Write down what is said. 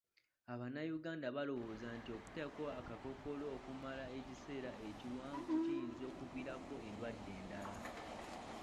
Bannayuganda balowooza nti okuteekako akakkookolo okumala ekiseera ekiwanvu kiyinza okuviirako endwadde endala.